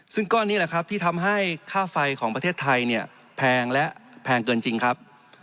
ซึ่งก้อนนี้แหละครับที่ทำให้ค่าไฟของประเทศไทยเนี่ยแพงและแพงเกินจริงครับ